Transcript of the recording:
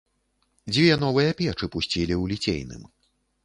Дзве новыя печы пусцілі ў ліцейным.